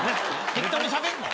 適当にしゃべんな。